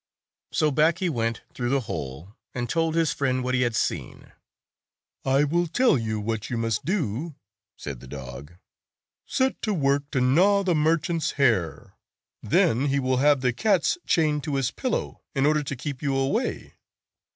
189 So back he went through the hole, and told his friend what he had seen. "I will tell you what you must do," said the dog. "Set to work to gnaw the merchant's hair; then he will have the cats chained to his pillow in order to keep you away."